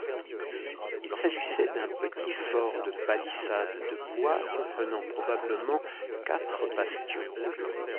Il s'agissait d'un petit fort de palissades de bois comprenant probablement quatre bastions.